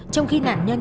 trong khi nạn nhân